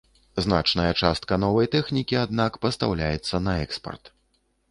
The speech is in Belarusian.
Значная частка новай тэхнікі, аднак, пастаўляецца на экспарт.